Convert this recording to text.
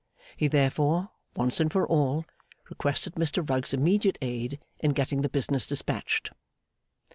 He therefore, once and for all, requested Mr Rugg's immediate aid in getting the business despatched.